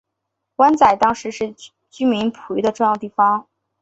湾仔当时是居民捕鱼的主要地方。